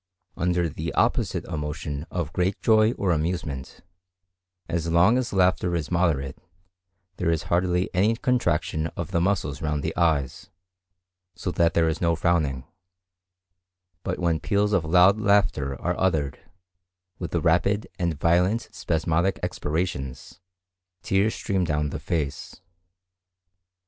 Under the opposite emotion of great joy or amusement, as long as laughter is moderate there is hardly any contraction of the muscles round the eyes, so that there is no frowning; but when peals of loud laughter are uttered, with rapid and violent spasmodic expirations, tears stream down the face.